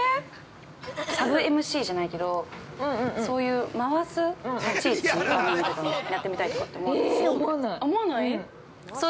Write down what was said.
◆サブＭＣじゃないけど、そういう、回す立ち位置とかやってみたいとかって思わない？